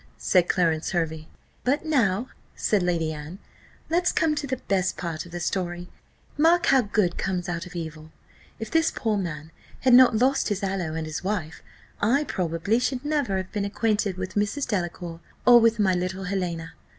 said Clarence Hervey. "But now," said Lady Anne, "let's come to the best part of the story mark how good comes out of evil. If this poor man had not lost his aloe and his wife, I probably should never have been acquainted with Mrs. Delacour, or with my little Helena.